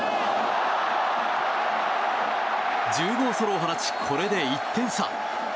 １０号ソロを放ちこれで１点差。